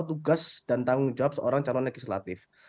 mereka tidak tahu tugas dan tanggung jawab seorang calon legislatif